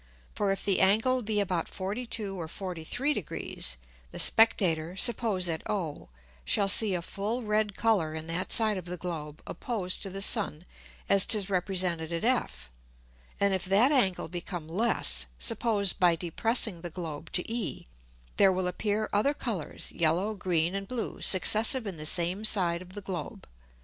For if the Angle be about 42 or 43 Degrees, the Spectator (suppose at O) shall see a full red Colour in that side of the Globe opposed to the Sun as 'tis represented at F, and if that Angle become less (suppose by depressing the Globe to E) there will appear other Colours, yellow, green and blue successive in the same side of the Globe.